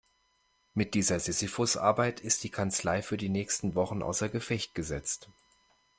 Mit dieser Sisyphusarbeit ist die Kanzlei für die nächsten Wochen außer Gefecht gesetzt.